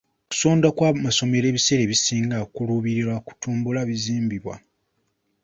Okusonda kw'amasomero ebiseera ebisinga kuluubirira kutumbula bizimbibwa.